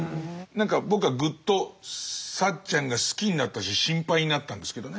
なんか僕はぐっとサッチャンが好きになったし心配になったんですけどね。